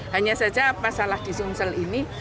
hanya saja masalah di sumsel ini